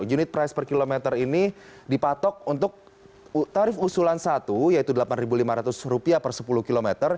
satu unit price per kilometer ini dipatok untuk tarif usulan satu yaitu rp delapan lima ratus per sepuluh km